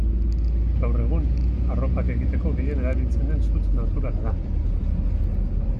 Gaur egun, arropak egiteko gehien erabiltzen den zuntz naturala da.